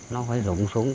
nó phải rụng xuống